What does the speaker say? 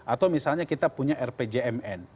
atau misalnya kita punya rpjmn